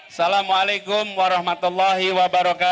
assalamualaikum warahmatullahi wabarakatuh